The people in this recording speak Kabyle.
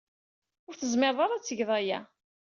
Ur tezmired ara ad tged aya.